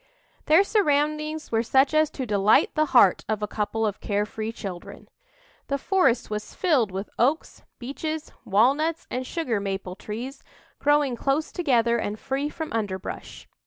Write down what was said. Their surroundings were such as to delight the heart of a couple of care free children. The forest was filled with oaks, beeches, walnuts and sugar maple trees, growing close together and free from underbrush.